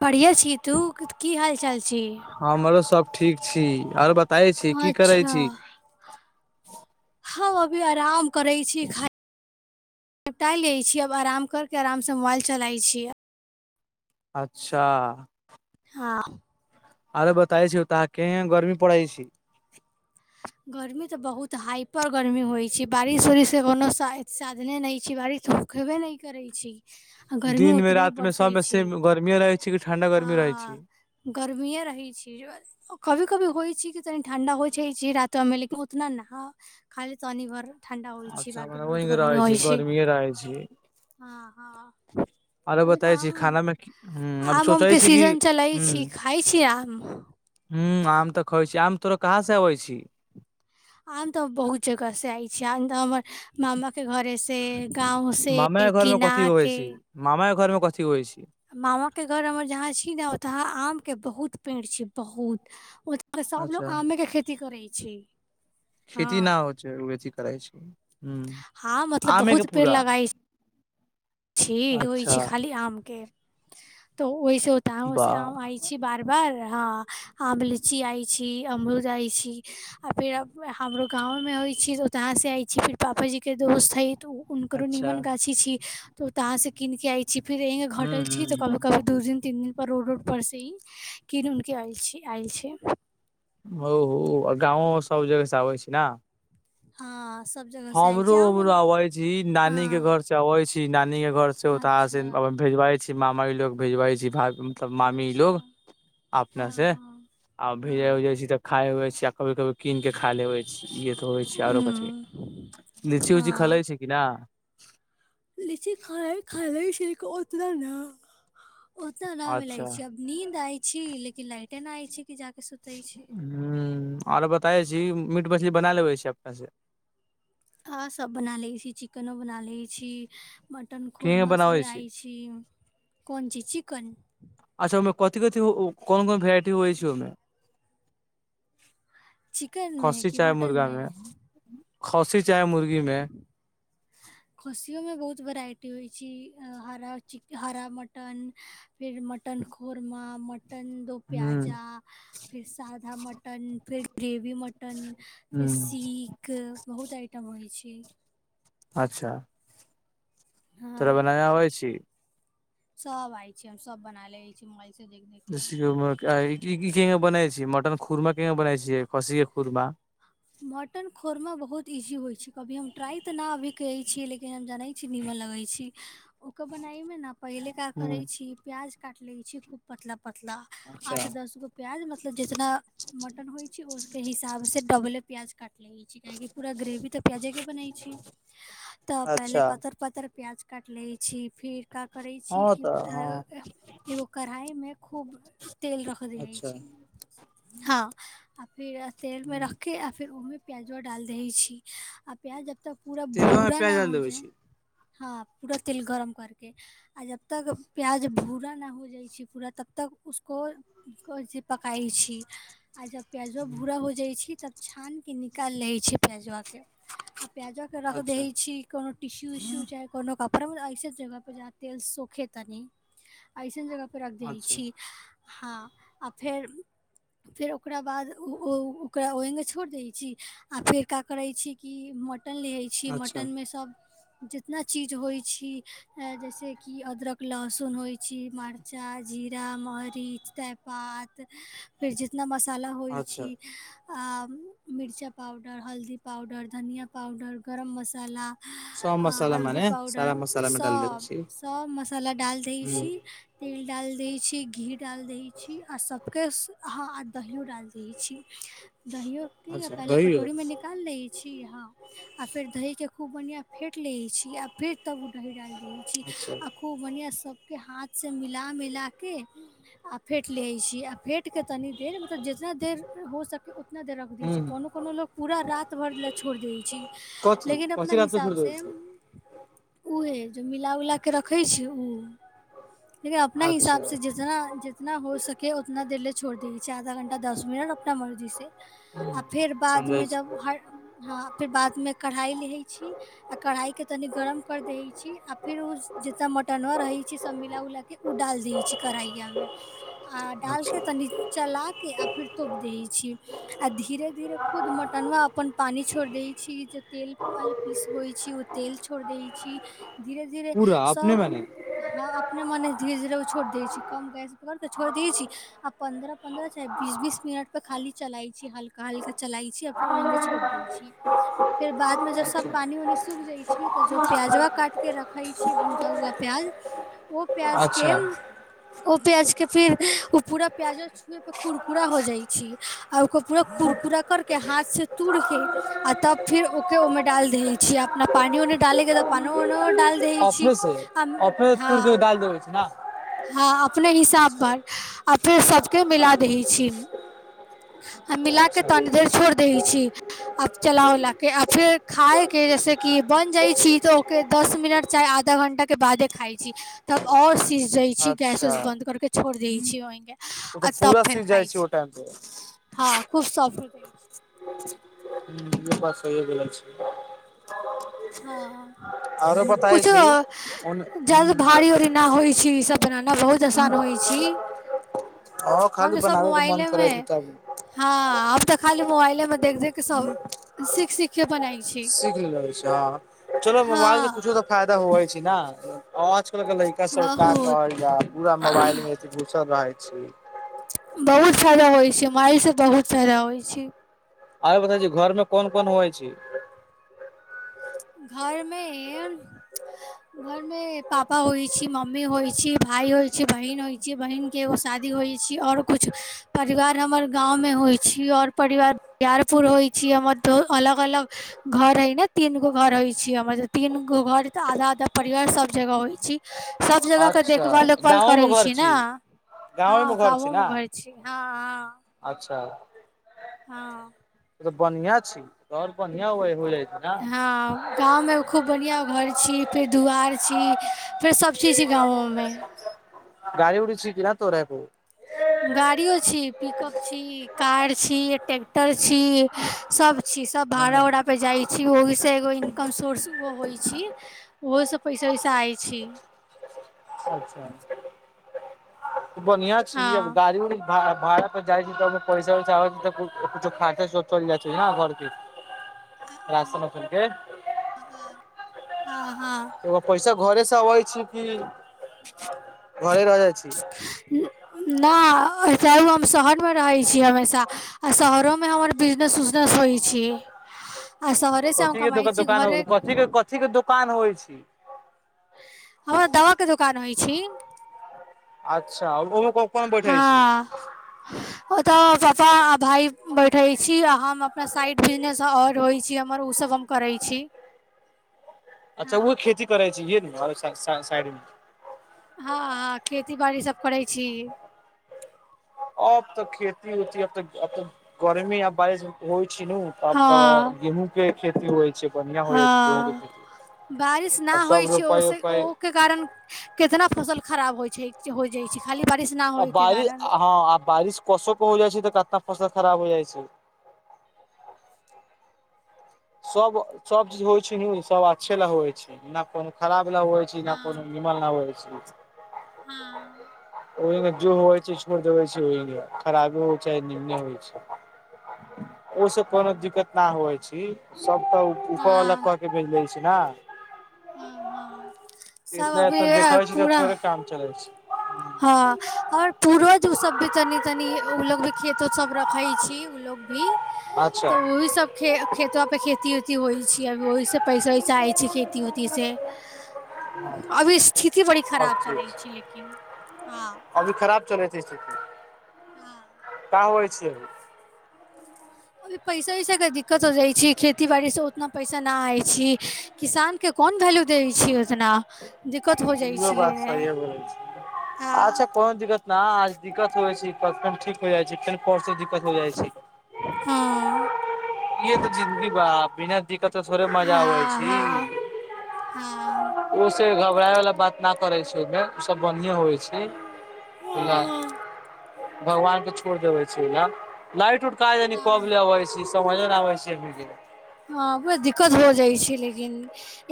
पढ़िय छी तू की हालचाल छी हमरो सब ठीक छी आर बताैय छी की करै अच्छा छी हम अभी आराम करै छी खाई निपटा लैत छी आब आराम करके आरामसे मोबाइल चलाई छी अच्छा हँ अरे बताई छी ओ त क य गर्मी पड़ै छी गर्मी तऽ बहुत हाइपर गर्मी होइ छै बारिश उरिशके कोनो साधने नहि छै बारिश तखेबे नहि करै छी आ गर्मी दिन मे ओतना रात मे बरसै सबमे छै सेम गर्मीए रहै छै कि ठंडा गर्मी रहै छै ह गर्मिए रहैत छी कभी कभी होइ छै कि तनी ठंडा होइ छै छै राते में लेकिन उतना नहा खाली तनि भर ठण्डा होइ छै अच्छा बाकी मने बहुत वही गर्मी रहै होइ छी छै गर्मीए रहै छी ह हँ आरो अभी तऽ बताय छी खाना मे ह आम अब आम आम सोचै के छी कि सीजन चलै ह छी खााय छी आम ह आम तऽ खइ छी आम तोरा कहाँ से अबै छी आब तऽ बहुत जगह से आइ छी आम तऽ हमर मामाके घरे से मामा घर में कथी होइ छै मामा घर में कथी होइ छै मामा के घर हमर जहााँ छी नेतहा आम के बहुत पेड़ छी बहुत सब लोग अच्छा आमे के खेती करै छै खेती न हो छै ओ बेी करै छै ह हँ मतलब आमे के बहुत पेड़ पूरा लगाइ छै छी होइ अच्छा छै खाली आम के तो वहिस होता हम वाह आइ छी बार बार हँ आम लिची आय छी अमरुद आय छी आ फिर हमरो गांव में होइ छी ओतहाँ से आय छी फिर पापा जी के दोस्त है त उुनकरो अच्छा नीमन गाछी छी तो उ तहा से कीन के आय चिपिी हूं घटल छी त की हूं कभी दू दिन तीन दिन पर रोड उोड ऊपरसँ ई किननके आल छी आयल छै ह हो आ गाँवो सभ जगहसँ आबै छै ने ह हमरो उरो अबै छी नानी के हँ घर से अबै छी नानी के घ घर से उतार से अच्छा भेजबा छी मामा लोग भेजबा छै भाग मतलब मामी अच्छा लोग अपने हँ से हँ आ भेजे हँ उजे छै तऽ खााय हुए छै याह कभी कभी कीन कऽ खा लेबै छी ई तऽ होइ छै आरो कथी हूँ लीची उऊची हँ खेलै छै कि न लीची खानाी खा लेल भी शर होतना न ओते न मिलै अच्छा छी अब नींद आय छी लेकिन लाइट ए न आय छै कि जाक ह आरो बताब छी मीट मछली बना लेबै छी अपनेसँ ह सभ बना लैत छी चिकनो बना लैत छी मटन की खरमस भी बनाबै आइ छी कोन चीज चिकन अच्छा ओमे कथी कथ कोन कोन भेरइट होइ छै ओहिमे [inaudible] चिकनमे खसी कि चाहे मटनमे मुर्गामे खसी चाहे मुर्गीमे खस्सियओमे बहुत वेराइटी होइ छै हरा मटन फेर मटन खुर्मा म मटन दो ह्म प्याजा फिर सादा मटन फिर ग्रव बी मटन फिर ह्म सीख बहुत आइटम होइ छै अच्छा तोरा हँ बनावय आव यछी सब आय छीै हम सब बना ले छी म [inaudible] बनाइ छी मटन खुर्मा कना बनाइ छी खसीके खुर्मा मटन खौरमा बहुत इजी होइ छै कभी हम ट्राइ तऽ नहि अभी कहैत छियै लेकिन हम जानैत छी निमक ओकर बना मे ने पहिल क कर ह छी प्याज काट ले छी खूब पतला पतला अच्छा आठ दस गो प्याज मतलब जितना क होइ छै उसके हिसाब से डबले प्याज काट काह पूरा ग्रेवी तऽ प्याजे के बन छै तऽ पहले अच्छा पर पर प्याज काटि लै छी फिर का करै छी हँ कि तऽ हँ एगो कढ़ाइमे खूब तेल रख दइ अच्छा छी आ फिर तेलमे हूँ रखके आ फिर ओहिमे प्याजो डालि दै छी आ प्याज तऽ पूरा तेलबा मे भूरा प्याज नहि डाल हो देबै जाए छी हँ पूरा तेल गरम करके आ जब तक प्याज भूरा न हो जाइ छै पूरा तबतक को पक छी आ जब प्याजो भूरा हो जाइ छै छानि कऽ निकालि लै छै पजवआे आ प्याजो के रख अच्छा देे छी कोनो टिशू उशू चाहे कोनो कपड़ा फ हम अइसन जगहपर जा तेल सखे तनी अइसन जगहपर रख दइ अच्छा छी हँ आ फेर फेर ओकरा बाद ओकरा ओ छोड़ि दै छी आ फेर का करै छी कि मटन लै छी अच्छा मटनमे सब इना चीज होइ छी जैस किी अदरक लहसुन होइ छी मर्चा ज आा मरीच तेजपात फेर जितना मसाला होइ अच्छा छै आर मिरचा पाउडर हल्दी पाउडर धनिया पाउडर गरम मसाला सम हल्दी पाउडर सब छी सब मसाला डालि दै ह छी तेल डाल दय छी के घी डालि दै छी आ सबके आ दहि डालि दै छी दहियो क अच्छा पहिले दहियो कटोरी में निकाल ले छी य आ फेर दही के खूब बढ़िया फेट ले छी आ फेर त अच्छा सबके हाथ से मिला मिला के आ फेट ले छी आ फेंट के तनी देर मतलब जितना देर हो सके उतना देर रख द ह कोनो कोनो लोक पूरा राति भरि लए छोड़ि दै छै कथी लेकिन अपना कथी रात के छोड़ देबै हिसाबसँ छी उहे जे मिला उला कऽ रखै छै ओ लेकिन अपना अच्छा हिसाब से जितना जितना हो सके उतना देर ले छोड़ दे छै घण्टा दस मिनट अपना मर्जी से र बाद समझै मे जब छी ह फेर बादमे कर कढ़ाइ लहै छी आ कढ़ाइ के तनि गरम कर दै छी आ फिर ओ सभ मटनो रहै छै सभ मिला उलााकऽ ओ डालि दै छै करहिया मे आ डाल के अच्छा तनी चला के आ फिर तोप देह छी आ धीरे धीरे खुद मटनवा अपन पानी छोड़ दै छी जे तेलल पीसबै छी तेल छोड़ दै छी धीरे धीरे पूरा अपने सब मने ह अपने मने धीरे धीरे ओ छोट दे छै कम गैस पकड़ केे छोड़ दी छी आ पन्द्रह पन्द्र बीस बीस मिनट प खा चलाइ छी ह कल के चलाइ छी फेर ओहिने छोड़ दै छीियै फेर बाद मे जब सब पानी उानी सूख जाइ छी तऽ जो प्याजोा काटिके रखै छी भुजा उुआ प्याज ओ प्याजके अच्छा ओ प्याजके फिर ओ पूरा प्याजो छुए कुरकुरा हो जाइ छै आ ओकर पूरा कुरकुरा कर के हाथ से तूड़ के आ तब फिर ओके ओमे ाल दै छ अपना पानिोने डाले तऽ पान वन डाल द छी अपने से अपने तूर के हँ डाल देबै छै ने आ अपने हिसाब अच्छा पर आ फेर सबके मिला दही छी आ मिला के अच्छा तनी देर छोड़ि दय ब मिनट चाहे आधा घं्टा के बादे खाइ छी तब आओर चीज दै छी गैस अच्छा उस बन्द करके छोड़ दै छी ओहिे ओ आ तऽ तब पूरा फेर सीझ जाइ खाइ छै ओ छी टाइम पे हँ खूब सोफट छै इ बात सहिो ब छै हँ आरो बताय कुछो छी हँ जलघारी उरी न होइ छै ई सब बनाना बहुत आसान होइ छी खाली हम सब बनाबे के मन मोबाइले करै मे छै तब हॅ तऽ खाली मोबाइले में देख देख के सब सीख सीखे के बनाइ सीख लेलो छै चलो मोबाइल के हँ पुछो तऽ फायदा हवे छै ना आइकाल के लड़का सब का बहुत कहल या पूरा मोबाइल मे घुसल रहै छी बहुत फायदा होइ छै माइलसँ बहुत फायदा होइ छै आरो बता छी घरमे कोन कोन होइ छै [inaudible] घर मे घर मे पापा होइ छी मम्मी होइ छी भाय होइ छी बहिन होइ छी बहिन के एगो शादी होइ छै आओर कुछ परिवार हमर गाँव में होइ छै छी और परिवार बिारपुर होइ छी हमर दो अलग अलग घर हय ने तीन गो घर होइ छी हमर तीन गो घर तऽ आधा आधा परिवार सब जगह होइ छी सब जगह के अच्छा देखभाल वेखभाल गाँवोमे करै घर छी ने गाँवेमे हँ घर छी गाँवो मे घर छी आ त हँ त बढ़िया छी आओर बढ़िया हो छै ने हँ गाममे खूब बढिया घर छी फेर दुआरि छी फेर सब चीज छी गाँवो मे गाड़ी उड़ी छी कि ने तोरा एकोगो गाड़ियो छी पिकअप छी कार छी ट्रैक्टर छी सब छी सब भाड़ा उड़ा पे जाय छी ओहिसँ एगो इनकम सोर्स ओ होइ छी ओहोसँ पैसा वैसा आइ छी अचछा बढ़िआँ छी आब हँ गाड़ी उड़ी भाड़ा पर जाइ छी तऽ पैसा वैसा होइ किछु खाके सब चलि जाइ छै ने घरके राशन सुनके हँ हँ पैसा घरे से अबै छी कि घरे रहहि जाइ छी न च हम शहर मे रहै छीै हमेशा आ शहरोमे हमर बिजनेस उजनेस त होइ छियै कथी के दोकान दोकान होउ कथी के कथी के दोकान होइ छै हमरा दवाके दोकान होइ छी अच्छा आओर हँ ओतऽ पापा आ भााय बैठे छी आ हम अपना साइड बिजनेस औरइ छी हमर उ सब करै छी अच्छा वह हँ खेती करै छै ये ने साइड मे हँ हँ खेती बाड़ी सब करै छी अब तक खेती ओती अब तक अ त गर्मी य बारिश हो छिनु त आब तऽ हँ गेहूँ के खेती होइ छै बढ़ियां हो जाइ छै गेहूँ के हँ खेती बारिश ना आब होइ सब छै रोपै ओ उपै ओ आ के कारण कितना फसल खराब होइ छै हो जाइ छै खाली बारिश ना आ होइके बारिश कारण हँ आ बारिश कसोक के हो जाइ छै तऽ कितना फसल खराब हो जाइ छै सब सब चीज होइ छै न सब अच्छे ल होइ छै कोनो खराब होह छी न को हमाल नहि होह छी [unintelligible] हँ ओहि जो होइ छै छोड़ देबै छै ओहि खराबी होइ छै निमन होइ छै ओहिस कोनो दिक्कत न होइ छी सबटा ऊपर वला हँ क के भज दै छी ने सब एना अभी एतना देखखाै छै त पूरा थोड़े काम चले छै हँ ओर पूर्ज ओ सब भी तनी तनी ओ लोग भी खेतो सब रखे छी ल भी अच्छा तऽ ओही सब ख खेत पे खे खेती उती होइ छै अ ओहिसँ पैसोसाहै छै खेती उेतीसँ अभी स्थिति बड़ी अब खराब ठीक चलै छै लेकिन हँ अभी खराब चले छैे स्थिति हँ क होइ छिय पैसा उैसाके दिक्कत हो जाइ छै खेती बाड़ीसँ उतना पैसा नहि आइ छी किसान के कोन वैल्यू दै छ ओतना इहो बात सह बोलै छै हँ अच्छा कोनो दिक्कत न दिक्कत होइ छै ठीक हो जाइ छै फेर परसँ दिक्कत हो जाइ छै हँ ईे तऽ जिंन्दगी बा बिना दिक्कत त थोड़े मजा आबै छी ओ हँ हँ हँ से घबराए वालला बात न करै छै सब बढ़ए हो छै ब भगवान के छोड़ देबे लाइट उट क देान कोबलबैस मजा नव छै हँ बड़ा दिक्कत हो जाइ छी लेकिन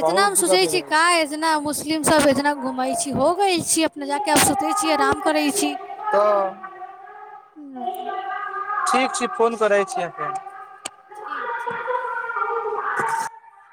इतना मे बहुत सोचै दिक्कत हो छी जाइ क छै एतना मुस्लिम सब एतना घूम छी हो गई छी अपना जाके आब सुते छी आराम करै छी त हूँ, ठीक फोन कर छी अपन ठीक ठीक